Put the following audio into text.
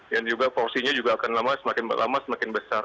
dan juga porsinya akan semakin lama semakin besar